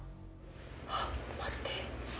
あっ、待って。